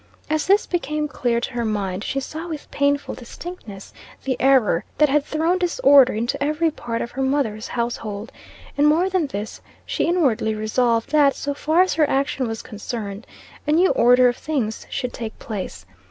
As this became clear to her mind, she saw with painful distinctness the error that had thrown disorder into every part of her mother's household; and more than this, she inwardly resolved, that, so far as her action was concerned, a new order of things should take place.